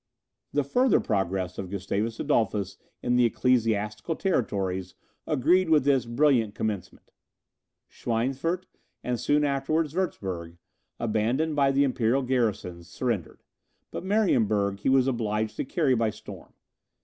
The further progress of Gustavus Adolphus in the ecclesiastical territories agreed with this brilliant commencement. Schweinfurt, and soon afterwards Wurtzburg, abandoned by their Imperial garrisons, surrendered; but Marienberg he was obliged to carry by storm.